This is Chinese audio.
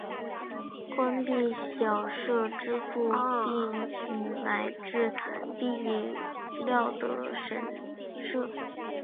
官币小社支付币帛乃至币帛料的神社。